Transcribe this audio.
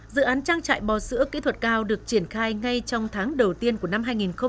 dự án trang trại bò sữa kỹ thuật cao được triển khai ngay trong tháng đầu tiên của năm hai nghìn hai mươi